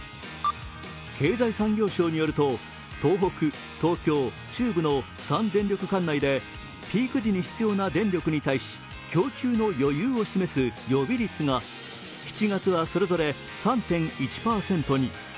経済産業省によると、東北、東京、中部の３電力管内でピーク時に必要な電力に対し、供給の余裕を示す予備率が７月はそれぞれ３．１％に。